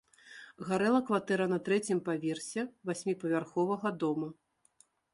Гарэла кватэра на трэцім паверсе васьміпавярховага дома.